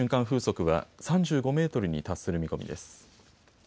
風速は３５メートルに達する見込みです。